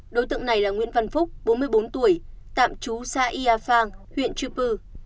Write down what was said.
đối tượng này là nguyễn văn phúc bốn mươi bốn tuổi tạm trú xa yia phang huyện chư pư